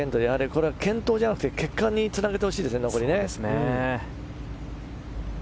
これは健闘じゃなくて結果につなげてほしいですね。